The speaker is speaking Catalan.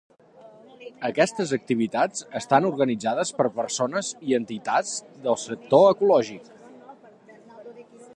Aquestes activitats estan organitzades per persones i entitats del sector ecològic.